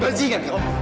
berhenti jangan kamu